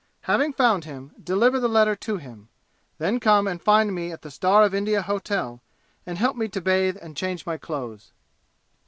Having found him, deliver the letter to him. Then come and find me at the Star of India Hotel and help me to bathe and change my clothes."